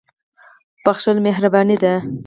• بښل مهرباني ده.